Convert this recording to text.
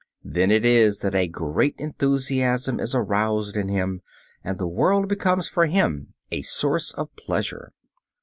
Then it is that a great enthusiasm is aroused in him, and the world becomes for him a source of pleasure.